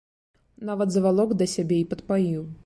Нават завалок да сябе і падпаіў.